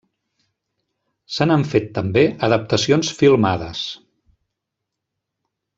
Se n'han fet també adaptacions filmades.